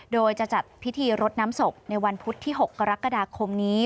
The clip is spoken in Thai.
โดยจะจัดพิธีรดน้ำศพในวันพุธที่๖กรกฎาคมนี้